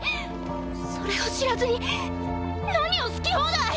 それを知らずに何を好き放題。